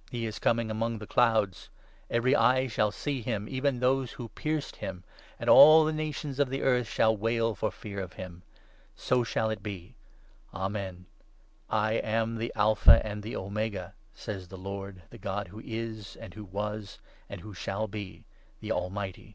' He is coming among 7 the clouds !' Every eye shall see him, even those who pierced nim ;' and all the nations of the earth shall wail for fear of him.' So shall it be. Amen. ' I am the Alpha and the Omega,' says the Lord, the God 8 who is, and who was, and who shall be, the Almighty.